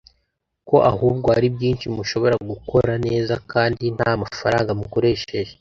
ko ahubwo hari byinshi mushobora gukora neza kandi nta mafaranga mukoresheje